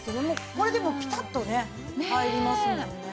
これでもうピタッとね入りますもんね。